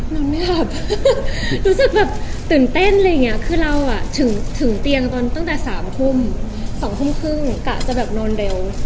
โน้นไม่หลับรู้สึกตื่นเต้นเลยงี้คือเราถึงเตียงตั้งแต่๓คุม๒คุมครึ่งกะจะแบบนอนเร็ว